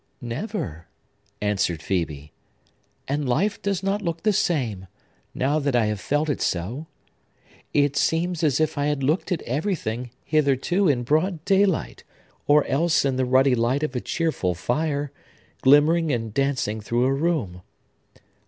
"Never," answered Phœbe; "and life does not look the same, now that I have felt it so. It seems as if I had looked at everything, hitherto, in broad daylight, or else in the ruddy light of a cheerful fire, glimmering and dancing through a room.